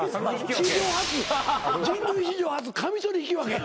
史上初人類史上初カミソリ引き分けや。